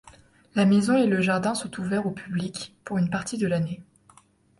La maison et le jardin sont ouverts au public pour une partie de l'année.